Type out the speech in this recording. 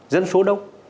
dân số đâu